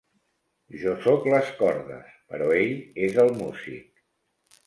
Jo sóc les cordes, però ell és el músic.